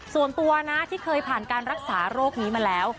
ส่วนตัวนะที่เคยผ่านการรักษาโรคนี้มาแล้ว